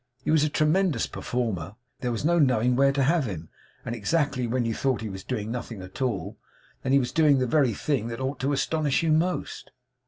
He was a tremendous performer. There was no knowing where to have him; and exactly when you thought he was doing nothing at all, then was he doing the very thing that ought to astonish you most.